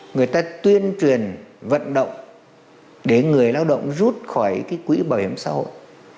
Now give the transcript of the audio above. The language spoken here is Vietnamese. người ta tuyên truyền vận động để người lao động rút khỏi cái quỹ bảo hiểm xã hội